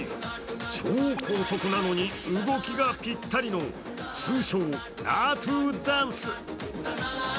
超高速なのに動きがぴったりの通称・ナートゥダンス。